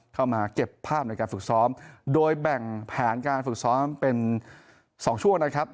เข้ามาเก็บภาพในการฝึกซ้อมโดยแบ่งแผนการฝึกซ้อมเป็น๒ช่วงนะครับ